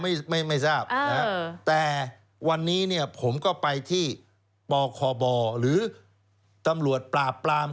เราไม่ทราบแต่วันนี้ผมก็ไปที่ปคบหรือตำรวจปราบปราม